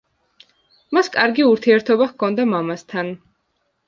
მას კარგი ურთიერთობა ჰქონდა მამასთან.